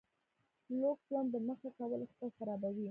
لوکس ژوند ته مخه کول اقتصاد خرابوي.